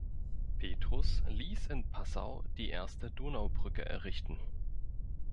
Petrus ließ in Passau die erste Donaubrücke errichten.